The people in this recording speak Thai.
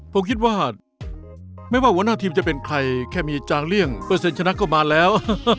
ผมคิดว่าไม่ว่าหัวหน้าทีมจะเป็นใครแค่มีจางเลี่ยงเปอร์เซ็นชนะก็มาแล้ว